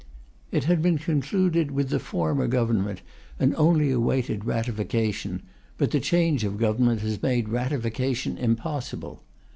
It had been concluded with the former Government, and only awaited ratification, but the change of Government has made ratification impossible.